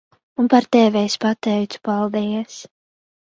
Un par tevi es pateicu paldies.